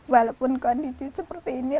walaupun kondisi seperti ini